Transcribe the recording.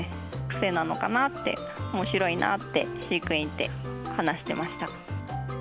癖なのかなって、おもしろいなって、飼育員で話してました。